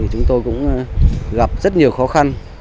chúng tôi cũng gặp rất nhiều khó khăn